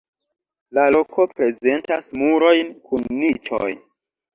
La loko prezentas murojn kun niĉoj.